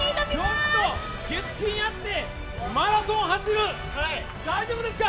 １ちょっと月金やってマラソン走る、大丈夫ですか？